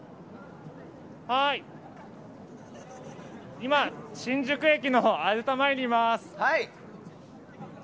今、新宿駅のほうアルタ前にいます。